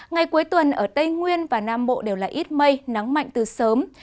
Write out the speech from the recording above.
ngày cuối tuần ở tây nguyên và nam bộ đều là ít mây nắng mạnh từ sớm